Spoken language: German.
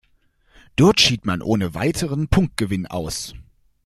Dort schied man ohne weiteren Punktgewinn aus.